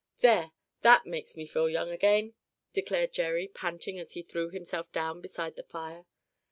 "There, that makes me feel young again!" declared Jerry, panting as he threw himself down beside the fire.